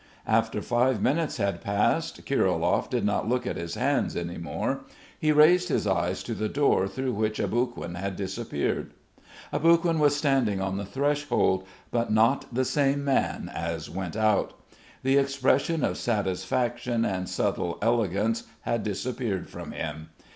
After five minutes had passed, Kirilov did not look at his hands any more. He raised his eyes to the door through which Aboguin had disappeared. Aboguin was standing on the threshold, but not the same man as went out. The expression of satisfaction and subtle elegance had disappeared from him.